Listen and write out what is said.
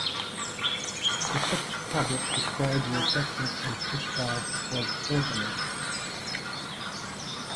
The sixth tablet describes the affection of Ishtar for Gilgamesh